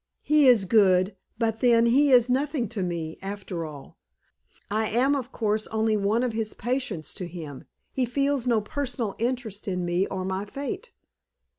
He is good, but, then, he is nothing to me, after all. I am, of course, only one of his patients to him; he feels no personal interest in me or my fate.